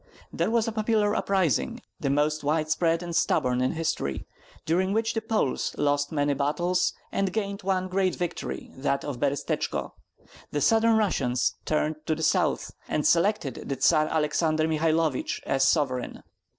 There was a popular uprising, the most wide spread and stubborn in history, during which the Poles lost many battles and gained one great victory, that of Berestechko; the Southern Russians turned to the North, and selected the Tsar Alexai Mihailovich as sovereign.